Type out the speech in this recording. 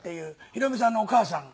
ひろみさんのお母さん。